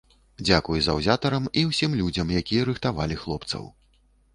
Дзякуй заўзятарам і ўсім людзям, якія рыхтавалі хлопцаў.